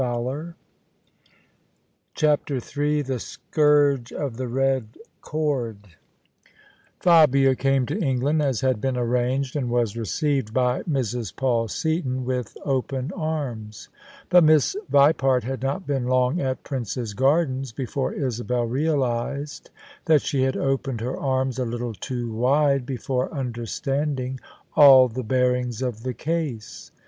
CHAPTER III THE SCOURGE OF THE RED CORD Fabia came to England as had been arranged, and was received by Mrs. Paul Seaton with open arms: but Miss Vipart had not been long at Prince's Gardens before Isabel realised that she had opened her arms a little too wide before understanding all the bearings of the case.